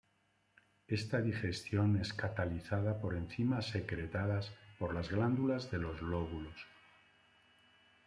Esta digestión es catalizada por enzimas secretadas por las glándulas de los lóbulos.